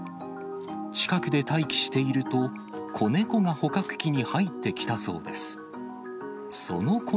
近くで待機していると、子猫が捕獲器に入ってきたそうです。